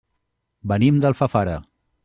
Venim d'Alfafara.